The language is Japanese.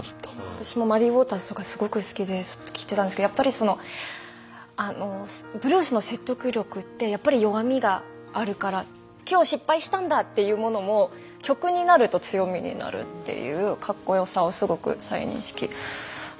私もマディ・ウォーターズとかすごく好きでずっと聴いてたんですけどやっぱりそのブルースの説得力ってやっぱり弱みがあるから今日失敗したんだっていうものも曲になると強みになるっていうかっこよさをすごく再認識させて頂きました。